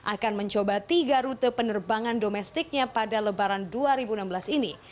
akan mencoba tiga rute penerbangan domestiknya pada lebaran dua ribu enam belas ini